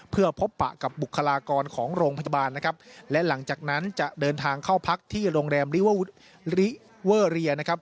เพื่อพบปะกับบุคลากรของโรงพยาบาลนะครับและหลังจากนั้นจะเดินทางเข้าพักที่โรงแรมลิเวอร์ริเวอร์เรียนะครับ